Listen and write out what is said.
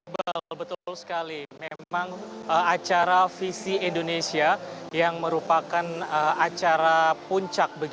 betul sekali memang acara visi indonesia yang merupakan acara puncak